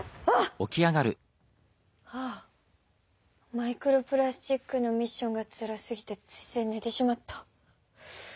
マイクロプラスチックのミッションがつらすぎてついついねてしまった！